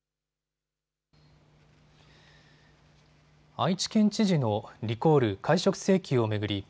愛知県知事のリコール・解職請求を巡り